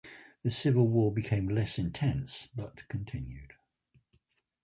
The civil war became less intense but continued.